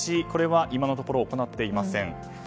これは今のところ行っていません。